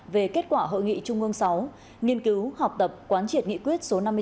về kết quả hội nghị trung ương sáu nghiên cứu học tập quán triệt nghị quyết số năm mươi sáu